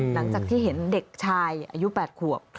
หลังจากที่เห็นเด็กชายอายุ๘ขวบ